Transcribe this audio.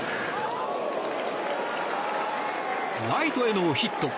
ライトへのヒット。